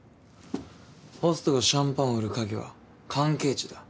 ホストがシャンパンを売る鍵は関係値だ。